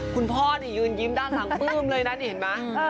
คุณพ่อยืนยิ้มด้านหลังปื้มเลยนะเห็นมั้ย